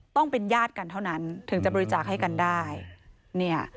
ต้องเป็นญาติกันเท่านั้นถึงจะบริจาคให้กันได้เนี่ย